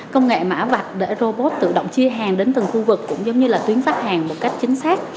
công nghệ mã vạch để robot tự động chia hàng đến từng khu vực cũng giống như là tuyến khách hàng một cách chính xác